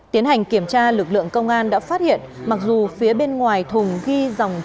tiến hành kiểm tra lực lượng công an đã phát hiện mặc dù phía bên ngoài thùng ghi dòng